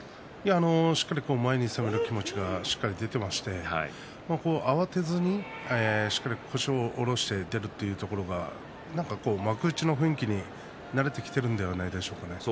しっかり前に攻める気持ちが出ていまして慌てずにしっかりと腰を下ろして出るというところが何か幕内の雰囲気に慣れてきているのではないでしょうかね。